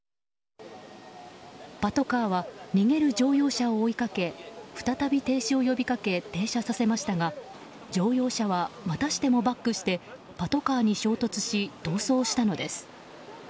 パトカーは逃げる乗用車を追いかけ再び停止を呼びかけ停車させましたが乗用車はまたしてもバックしてパトカーに衝突し逃走したのです。